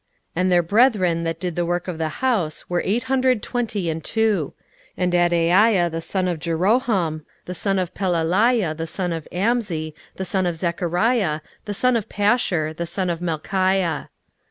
16:011:012 And their brethren that did the work of the house were eight hundred twenty and two: and Adaiah the son of Jeroham, the son of Pelaliah, the son of Amzi, the son of Zechariah, the son of Pashur, the son of Malchiah.